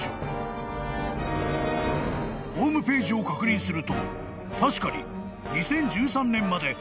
［ホームページを確認すると確かに］